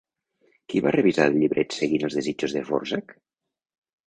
Qui va revisar el llibret seguint els desitjos de Dvořák?